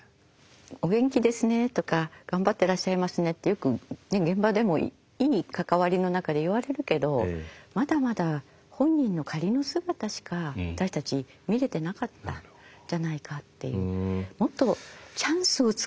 「お元気ですね」とか「頑張ってらっしゃいますね」ってよく現場でもいい関わりの中で言われるけどまだまだ本人の仮の姿しか私たち見れてなかったんじゃないかっていう。